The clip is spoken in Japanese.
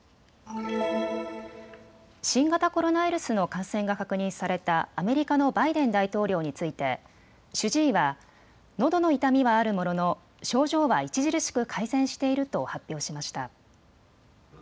新型コロナウイルスの感染が確認されたアメリカのバイデン大統領について主治医はのどの痛みはあるものの症状は著しく改善していると発表しました。